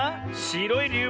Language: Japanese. しろいりゅう